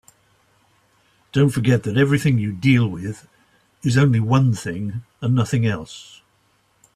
Don't forget that everything you deal with is only one thing and nothing else.